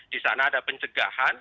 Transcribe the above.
di sana ada pencegahan